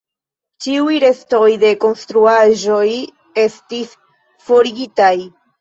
Ĉiuj restoj de konstruaĵoj estis forigitaj.